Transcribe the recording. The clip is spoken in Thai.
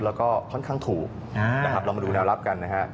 แล้วก็ค่อนข้างถูกเรามาดูแนวรับกัน